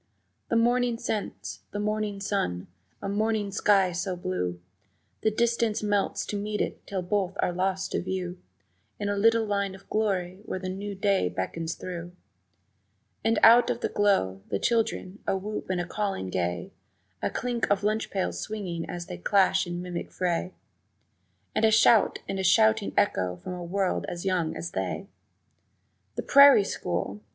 The morning scents, the morning sun, a morning sky so blue The distance melts to meet it till both are lost to view In a little line of glory where the new day beckons through And out of the glow, the children: a whoop and a calling gay, A clink of lunch pails swinging as they clash in mimic fray, A shout and a shouting echo from a world as young as they! The prairie school!